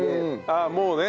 ああもうね。